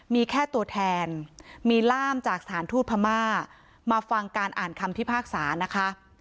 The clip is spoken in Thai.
มีแค่ตัวแทนมีล่ามจากสถานทูตพม่ามาฟังการอ่านคำพิพากษานะคะ